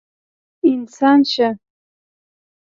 انسان شه!